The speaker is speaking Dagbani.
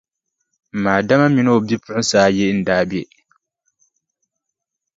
M ma Adama mini o bipuɣinsi ayi n-daa be.